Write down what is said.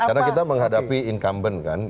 karena kita menghadapi incumbent kan